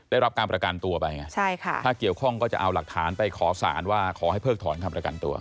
ได้รับการประกันตัวไปไงใช่ค่ะถ้าเกี่ยวข้องก็จะเอาหลักฐานไปขอสารว่าขอให้เพิกถอนคำประกันตัว